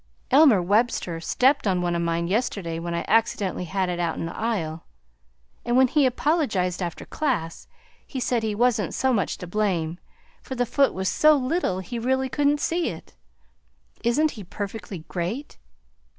Elmer Webster stepped on one of mine yesterday when I accidentally had it out in the aisle, and when he apologized after class, he said he wasn't so much to blame, for the foot was so little he really couldn't see it! Isn't he perfectly great?